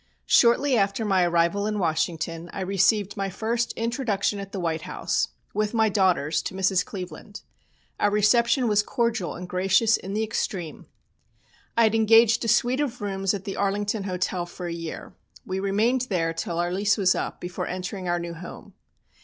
Shortly after my arrival in Washington I received my first introduction at the White House, with my daughters, to Mrs. Cleveland. Our reception was cordial and gracious in the extreme. I had engaged a suite of rooms at the Arlington Hotel for a year. We remained there till our lease was up before entering our new home.